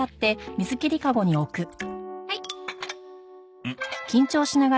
はい。